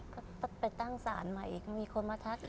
ก็ต้องไปตั้งสารใหม่อีกมีคนมาทักอีก